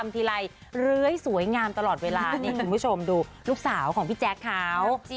นี่คุณผู้ชมดูลูกสาวของพี่แจ๊คเขา